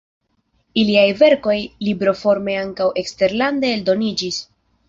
Iliaj verkoj libroforme ankaŭ eksterlande eldoniĝis.